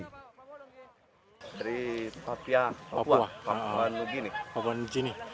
dari papua kampung anugini